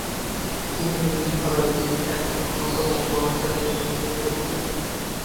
তিনি বিংশ শতাব্দীর একজন অন্যতম প্রভাবশালী লেখক হিশেবে বিবেচিত।